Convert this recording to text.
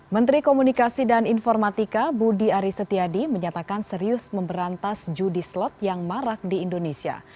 menteri komunikasi dan informatika budi aris setiadi menyatakan serius memberantas judi slot yang marak di indonesia